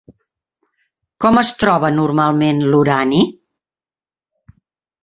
Com es troba normalment, l'urani?